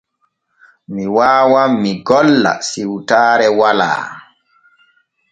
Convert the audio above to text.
Mi waawan mi golla siwtaare walaa.